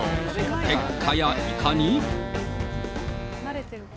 結果やいかに。